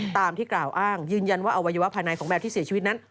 ตามที่กล่าวอ้างยืนยันว่าอวัยวะภายในของแมวที่เสียชีวิตนั้น